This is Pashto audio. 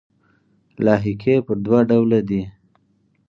لاحقې پر دوه ډوله دي.